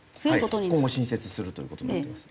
今後新設するという事になってます。